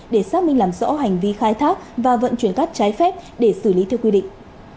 để xác minh làm rõ hành vi khai thác và vận chuyển cát trái phép để xử lý theo quy định